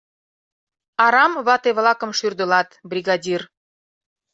— Арам вате-влакым шӱрдылат, бригадир.